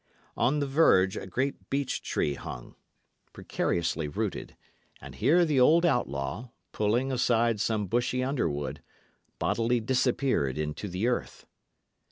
On the verge, a great beech tree hung, precariously rooted; and here the old outlaw, pulling aside some bushy underwood, bodily disappeared into the earth.